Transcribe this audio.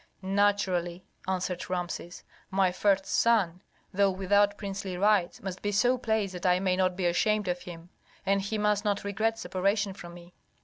"Naturally," answered Rameses. "My first son, though without princely rights, must be so placed that I may not be ashamed of him, and he must not regret separation from me."